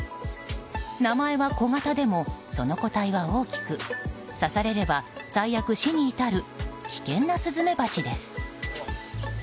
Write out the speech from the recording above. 名前はコガタでもその個体は大きく刺されれば最悪、死に至る危険なスズメバチです。